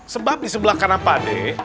sebab di sebelah kanan pade